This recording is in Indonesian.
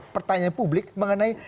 pertanyaan publik mengenai